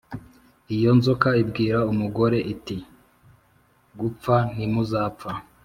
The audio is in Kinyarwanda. Iyo nzoka ibwira umugore iti gupfa ntimuzapfa